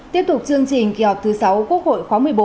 tiếp tục chương trình kỳ họp thứ sáu quốc hội khóa một mươi bốn